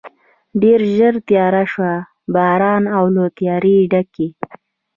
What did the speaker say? ډېر ژر تېاره شول، باران او له تیارې ډکې.